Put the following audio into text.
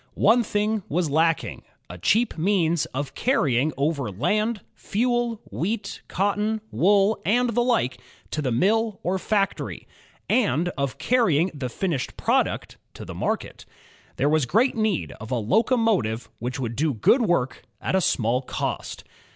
One thing was lacking, a cheap means of carrying over land, fuel, wheat, cotton, wool, and the like, to the mill or fac tory; and of carrying the finished product to the market. There WEia great need of a locomo tive which would do good work at a small cost.